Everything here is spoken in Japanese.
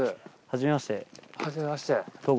初めまして。